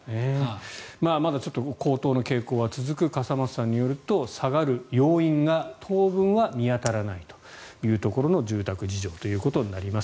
まだちょっと高騰の傾向は続く笠松さんによると下がる要因が当分は見当たらないというところの住宅事情ということになります。